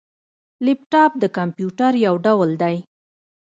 لیپټاپ د کمپيوټر یو ډول دی